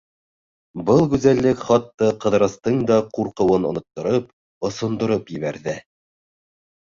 Был гүзәллек хатта Ҡыҙырастың да ҡурҡыуын оноттороп, осондороп ебәрҙе.